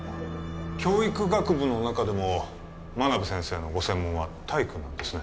教育学部の中でも真鍋先生のご専門は体育なんですね